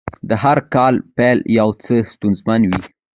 د هر کار پیل یو څه ستونزمن وي.